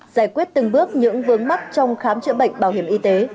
giải quyết từng bước những vướng mắc trong khám chữa bệnh bảo hiểm y tế